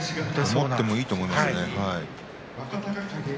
持ってもいいと思いますね。